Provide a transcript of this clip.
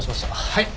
はい。